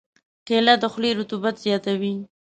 کېله د خولې رطوبت زیاتوي.